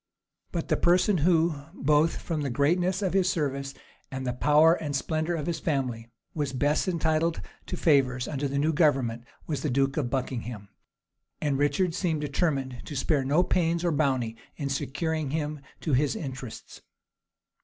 But the person who, both from the greatness of his services and the power and splendor of his family, was best entitled to favors under the new government, was the duke of Buckingham; and Richard seemed determined to spare no pains or bounty in securing him to his interests.